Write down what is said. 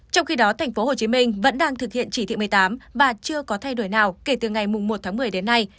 trong khi đó tp hcm vẫn đang thực hiện chỉ thị một mươi tám và chưa có thay đổi nào kể từ ngày một tháng một mươi đến nay